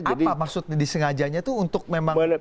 apa maksudnya disengajanya itu untuk memang kerja sama